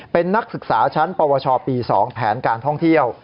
เป็นนักศึกษาชั้นปวชปี๒แผนการท่องเที่ยว